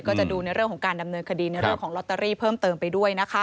ก็จะดูในเรื่องของการดำเนินคดีในเรื่องของลอตเตอรี่เพิ่มเติมไปด้วยนะคะ